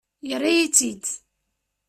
Yerra-yi-tt-id.